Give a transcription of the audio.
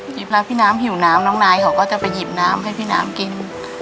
เวลาพี่น้ำหิวน้ำน้องนายเขาก็จะไปหยิบน้ำให้พี่น้ำกิน